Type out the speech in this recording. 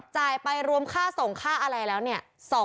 จ่ายไปรวมค่าส่งค่าอะไรแล้วเนี่ย